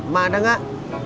mak ada gak